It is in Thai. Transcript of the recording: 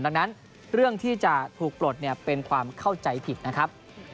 ดังนั้นเรื่องที่จะถูกปลดเนี่ยเป็นความเข้าใจผิดนะครับ